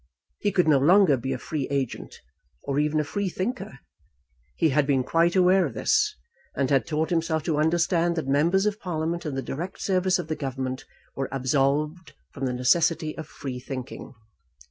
He could no longer be a free agent, or even a free thinker. He had been quite aware of this, and had taught himself to understand that members of Parliament in the direct service of the Government were absolved from the necessity of free thinking.